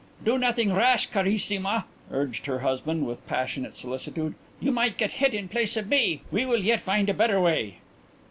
"Do nothing rash, carissima," urged her husband, with passionate solicitude. "You might get hit in place of me. We will yet find a better way."